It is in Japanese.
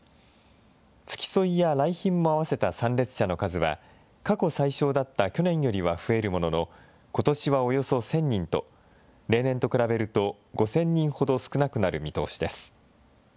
付き添いや来賓も合わせた参列者の数は過去最少だった去年よりは増えるものの、ことしはおよそ１０００人と、例年と比べると５０００人ほど少なくなる見通しです。